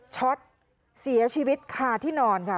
ช็อตเสียชีวิตคาที่นอนค่ะ